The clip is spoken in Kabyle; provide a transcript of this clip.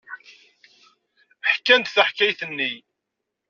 Ḥkan-d taḥkayt-nni.